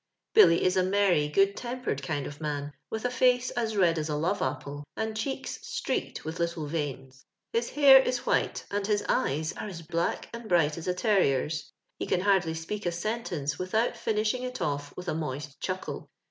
Billy is a merry, good tempered kind of man, witli a face as red as a love apple, and cheeks streaked with little veins. *' His hair is white, and his eyes are as block and bright as a terrier's. He can hardly speak a sentence without finishing it off with a moist chuckle.